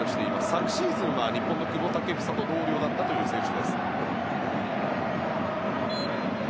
昨シーズンは日本の久保建英も同僚だったという選手。